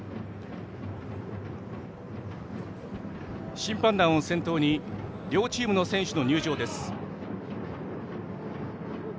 審判団を先頭に両チーム選手の入場です。